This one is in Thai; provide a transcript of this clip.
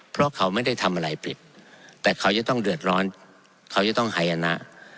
เพราะเขาไม่ได้ทำอะไรผิดแต่เขาจะต้องเดือดร้อนเขาจะต้องหายนะ